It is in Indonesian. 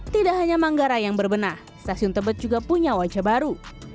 tidak hanya manggarai yang berbenah stasiun tebet juga punya wajah baru